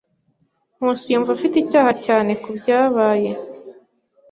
Nkusi yumva afite icyaha cyane kubyabaye.